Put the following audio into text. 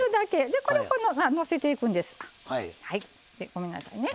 ごめんなさいね。